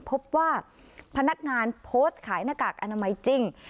พบว่าพนักงานโพสต์ขายหน้ากากอนามัยจริง